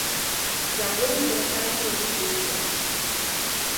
V zázemí se nachází lodní kuchyně.